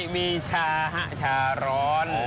มีชาฮะชาร้อน